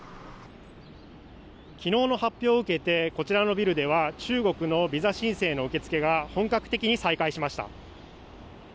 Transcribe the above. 昨日の発表を受けてこちらのビルでは中国のビザ申請の受け付けが本格的に再開しました。